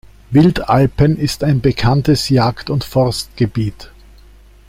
Wildalpen ist ein bekanntes Jagd- und Forstgebiet.